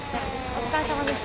お疲れさまです。